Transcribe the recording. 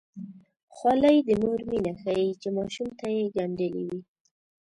خولۍ د مور مینه ښيي چې ماشوم ته یې ګنډلې وي.